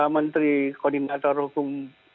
menteri koordinator hukum